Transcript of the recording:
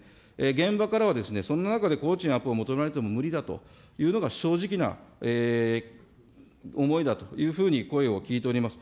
現場からはそんな中で工賃アップを求められても無理だというのが、正直な思いだというふうに声を聞いております。